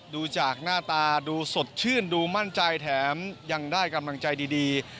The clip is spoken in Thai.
ดูจากหน้าตาดูสดชื่นดูมั่นใจแถมยังได้กำลังใจดี